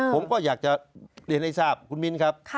ผมยากเรียนให้ทราบ